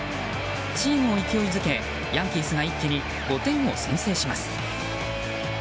チームを勢いづけヤンキースが一気に５点を先制します。